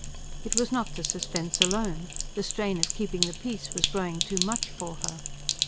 It was not the suspense alone: the strain of keeping the peace was growing too much for her.